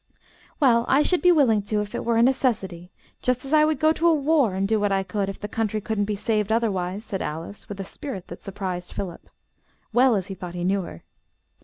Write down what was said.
"Well, I should be willing to, if it were a necessity, just as I would go to war and do what I could, if the country couldn't be saved otherwise," said Alice, with a spirit that surprised Philip, well as he thought he knew her.